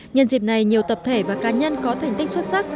nhân dịp này nhiều tập thể và cá nhân có thành tích xuất sắc